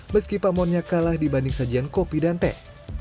meski pamonnya kalah dibanding sajian kopi dan teh